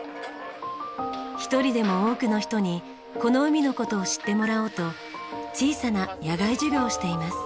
一人でも多くの人にこの海の事を知ってもらおうと小さな野外授業をしています。